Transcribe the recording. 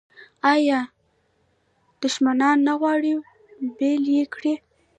آیا دښمنان نه غواړي بیل یې کړي؟